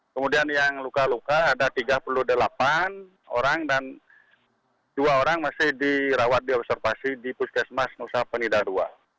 kemudian yang luka luka ada tiga puluh delapan orang dan dua orang masih dirawat di observasi di puskesmas nusa penida ii